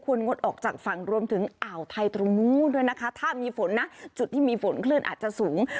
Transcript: งดออกจากฝั่งรวมถึงอ่าวไทยตรงนู้นด้วยนะคะถ้ามีฝนนะจุดที่มีฝนคลื่นอาจจะสูง